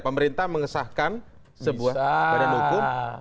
pemerintah mengesahkan sebuah badan hukum